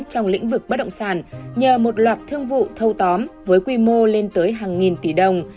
trong lĩnh vực bất động sản nhờ một loạt thương vụ thâu tóm với quy mô lên tới hàng nghìn tỷ đồng